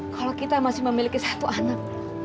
kalau kita masih memiliki satu anak